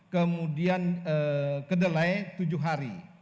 kemudian kedelai tujuh hari